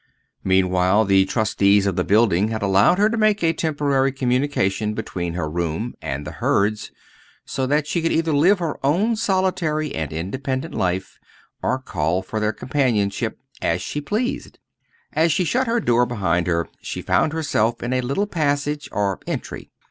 Meanwhile the trustees of the buildings had allowed her to make a temporary communication between her room and the Hurds, so that she could either live her own solitary and independent life, or call for their companionship, as she pleased. As she shut her door behind her she found herself in a little passage or entry.